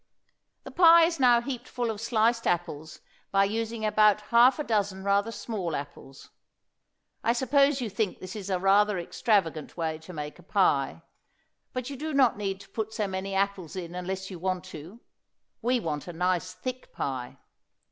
The pie is now heaped full of sliced apples by using about half a dozen rather small apples. I suppose you think this is a rather extravagant way to make a pie, but you do not need to put so many apples in unless you want to; we want a nice thick pie.